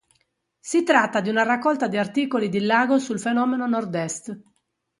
Si tratta di una raccolta di articoli di Lago sul fenomeno Nord-est.